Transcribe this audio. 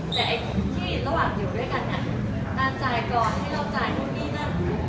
แต่ที่ระหว่างอยู่ด้วยกันน่ะน้ำจ่ายก่อนให้เราจ่ายพวกนี้น่ะ